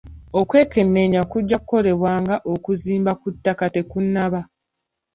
Okwekenneenya kujja kukolebwa nga okuzimba ku ttaka tekunnaba.